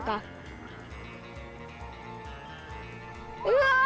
うわ！